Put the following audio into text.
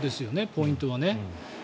ポイントはね。